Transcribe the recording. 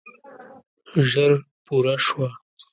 ژر پوره شوه.